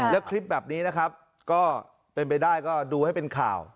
แล้วคลิปแบบนี้นะครับก็เป็นไปได้ก็ดูให้เป็นข่าว